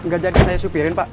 nggak jadi saya supirin pak